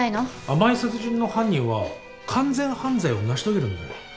『甘い殺人』の犯人は完全犯罪を成し遂げるんだ。